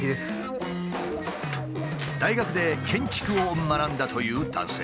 大学で建築を学んだという男性。